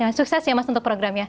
dan sukses ya mas untuk programnya